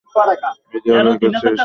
এই দেয়ালটার কাছে এসে পৌঁছুই।